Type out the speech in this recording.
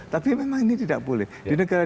tapi memang ini tidak boleh di negara